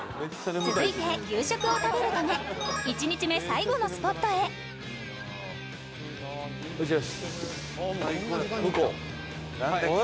続いて夕食を食べるため１日目最後のスポットへお願いします。